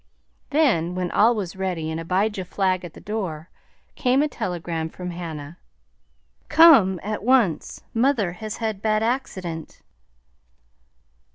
Then, when all was ready and Abijah Flagg at the door, came a telegram from Hannah: "Come at once. Mother has had bad accident."